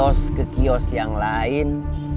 dari satu kios ke kios yang lain